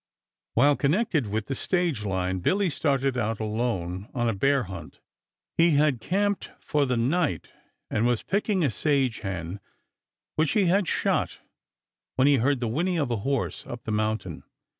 While connected with the stage line Billy started out alone on a bear hunt. He had camped for the night and was picking a sage hen which he had shot when he heard the whinny of a horse up the mountain.